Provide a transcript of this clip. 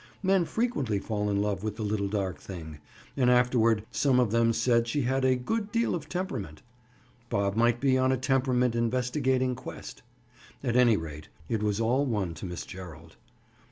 Men frequently fell in love with the little dark thing, and afterward some of them said she had a "good deal of temperament." Bob might be on a temperament investigating quest. At any rate, it was all one to Miss Gerald.